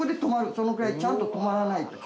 そのくらいちゃんと止まらないと。